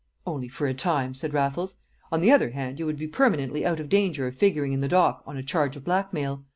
"Only for a time," said Raffles. "On the other hand, you would be permanently out of danger of figuring in the dock on a charge of blackmail.